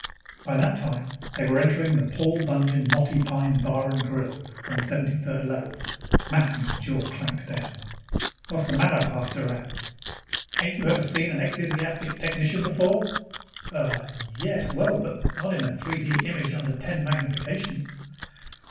By that time, they were entering the Paul Bunyan Knotty Pine Bar & Grill, on the 73rd Level. Matheny's jaw clanked down. "Whassa matter?" asked Doran. "Ain't you ever seen a ecdysiastic technician before?" "Uh, yes, but well, not in a 3 D image under ten magnifications."